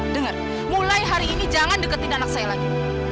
dengar mulai hari ini jangan deketin anak saya lagi